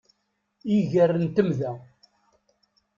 Iger n temda.